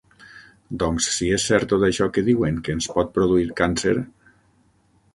Doncs si és cert tot això que diuen que ens pot produir càncer.